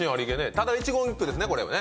ただ一言一句ですねこれはね。